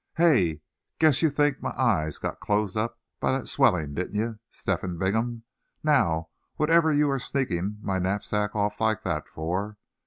"Hey! guess you think my eyes got closed up by that swelling, didn't you, Step hen Bingham? Now, whatever are you sneaking my knapsack off like that, for?